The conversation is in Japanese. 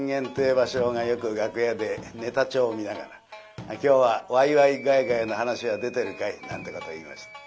馬生がよく楽屋でネタ帳を見ながら「今日はワイワイガヤガヤの噺は出てるかい？」なんてこと言いました。